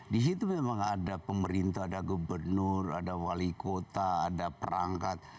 di situ memang ada pemerintah ada gubernur ada wali kota ada perangkat